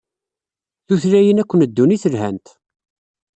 Tutlayin akk n ddunit lhant.